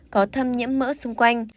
có thâm nhiễm mỡ xung quanh